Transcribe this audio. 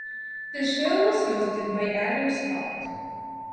The show was hosted by Adam Scott.